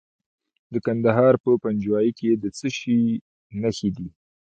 د کندهار په پنجوايي کې د څه شي نښې دي؟